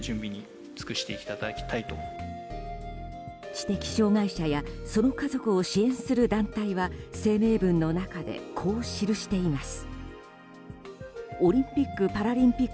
知的障害者やその家族を支援する団体は声明文の中でこう記しています。